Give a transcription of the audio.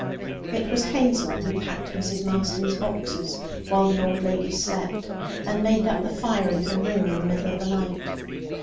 It was Hazel who packed Mrs. Marston's boxes while the old lady slept, and made up the fire in her room in the middle of the night.